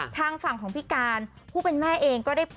ข้างฝั่งของพี่กาลผู้เป็นแม่เอง